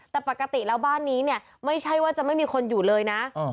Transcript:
แต่ปกติแล้วบ้านนี้เนี่ยไม่ใช่ว่าจะไม่มีคนอยู่เลยนะ